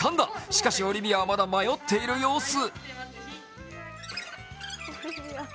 しかし、オリビアはまだ迷っている様子。